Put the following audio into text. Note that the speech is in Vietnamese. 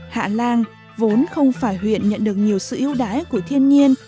hạ lan vốn không phải huyện nhận được nhiều sự ưu đãi của thiên nhiên